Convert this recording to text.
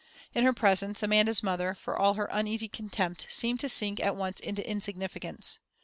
In her presence Amanda's mother, for all her uneasy contempt seemed to sink at once into insignificance.